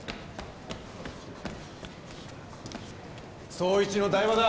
捜一の台場だ。